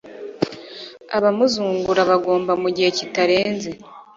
abamuzungura bagomba mu gihe kitarenze